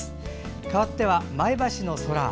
かわっては前橋の空。